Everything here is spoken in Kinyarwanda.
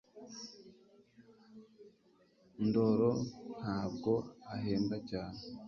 ndoro ntabwo ahembwa cyane